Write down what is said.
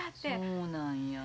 そうなんや。